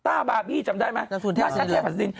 ต้าบาบี้จำได้ไหมนัทเทพภัสดิน